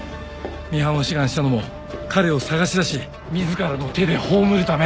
ミハンを志願したのも彼を捜し出し自らの手で葬るため。